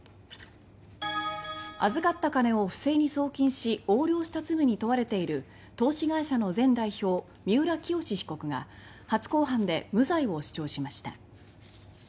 預かった金を不正に送金し横領した罪に問われている投資会社の前代表三浦清志被告が初公判で無罪を主張しました。